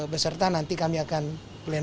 beserta nanti kami akan mencari penyelidikan